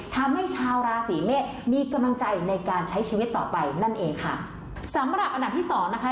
ทำให้ชาวราศีเมษมีกำลังใจในการใช้ชีวิตต่อไปนั่นเองค่ะสำหรับอันดับที่สองนะคะ